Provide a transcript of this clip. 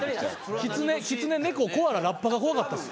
キツネネココアララッパが怖かったです。